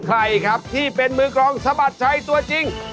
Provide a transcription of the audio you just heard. ใครครับที่เป็นมือกรองสะบัดชัยตัวจริง